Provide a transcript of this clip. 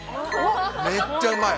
めっちゃうまい！